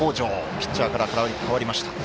ピッチャーから変わりました。